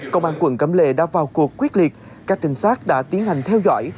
công an quận cẩm lệ đã vào cuộc quyết liệt các trinh sát đã tiến hành theo dõi